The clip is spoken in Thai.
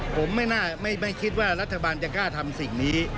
ผมไม่คิดว่ารัฐบาลจะกล้าทำสิ่งนี้